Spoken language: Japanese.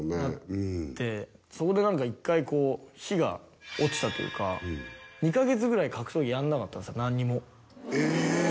うんそこで何か一回こう火がおちたというか２カ月ぐらい格闘技やんなかったんです何にもえ！